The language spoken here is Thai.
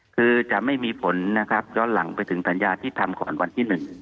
คือจะไม่มีผลนะครับย้อนหลังไปถึงสัญญาที่ทำก่อนวันที่๑